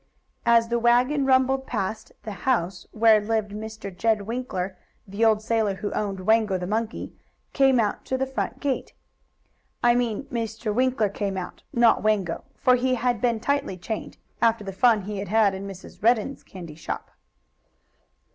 As the wagon rumbled past the house where lived Mr. Jed Winkler, the old sailor, who owned Wango, the monkey, came out to the front gate. I mean Mr. Winkler came out, not Wango, for he had been tightly chained, after the fun he had had in Mrs. Redden's candy shop.